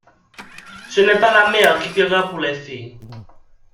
Ce n’est pas la mère qui paiera pour les filles.